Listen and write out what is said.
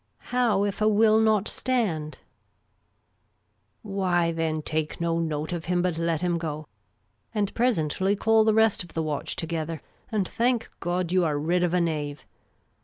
" How if 'a will not stand ?"" Why, then, take no note of him, but let him go ; and presently call the rest of the watch together, and thank God you are rid of a knave."